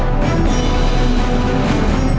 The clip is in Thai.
เอ้า